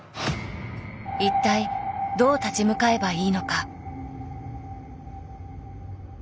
一体どう立ち向かえばいいのか。